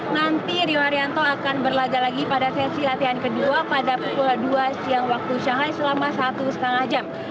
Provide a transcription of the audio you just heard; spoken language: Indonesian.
nanti rio haryanto akan berlagak lagi pada sesi latihan kedua pada pukul dua siang waktu shanghai selama satu lima jam